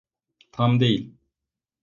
Tam değil.